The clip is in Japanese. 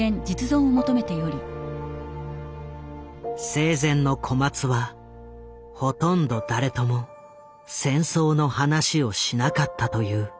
生前の小松はほとんど誰とも戦争の話をしなかったという。